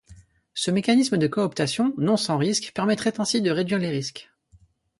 Ce mécanisme de cooptation, non sans risque permettrait ainsi de réduire les risques.